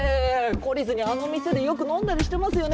懲りずにあの店でよく飲んだりしてますよね！